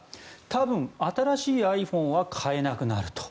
多分、新しいｉＰｈｏｎｅは買えなくなると。